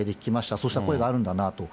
そうした声があるんだなと。